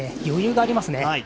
余裕があります。